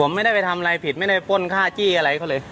ผมไม่ได้ไปทำอะไรผิดไม่ได้ป้นค่าจี้อะไรเขาเลย